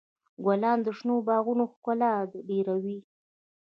ګلان د شنو باغونو ښکلا ډېروي.